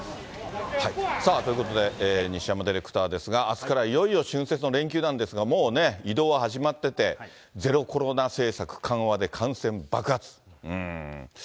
ということで、西山ディレクターですが、あすからいよいよ春節の連休なんですが、もうね、移動は始まってて、ゼロコロナ政策緩和で感染爆発。